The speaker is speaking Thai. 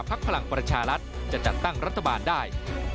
พลังประชารัฐจะจัดตั้งรัฐบาลได้